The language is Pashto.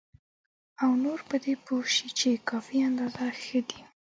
او نور په دې پوه شي چې کافي اندازه ښه دي.